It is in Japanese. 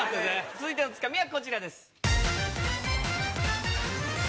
続いてのツカミはこちらです。